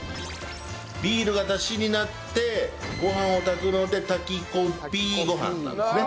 ビールがダシになってご飯を炊くので「炊き込ビーごはん」なんですね。